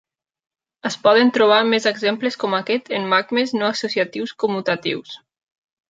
Es poden trobar més exemples com aquest en magmes no associatius commutatius.